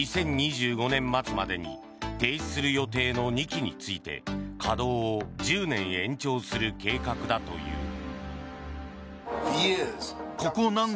２０２５年末までに停止する予定の２基について稼働を１０年延長する計画だという。